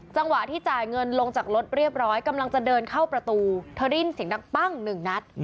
จังหวะที่จ่ายเงินลงจากรถเรียบร้อยกำลังจะเดินเข้าประตูเธอได้ยินเสียงดังปั้งหนึ่งนัด